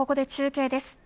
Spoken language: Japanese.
ここで中継です。